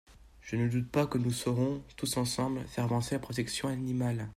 Je ne doute pas que nous saurons, tous ensemble, faire avancer la protection animale.